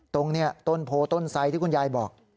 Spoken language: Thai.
ตรงนี้ต้นโพต้นไซดที่คุณยายบอก